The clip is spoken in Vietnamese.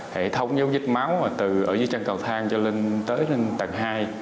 hệ thống giấu vết máu từ dưới chăn cầu thang cho lên tới tầng hai